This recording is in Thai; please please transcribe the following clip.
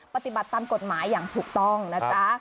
ปฏิบัติตามกฎหมายอย่างถูกต้องนะจ๊ะ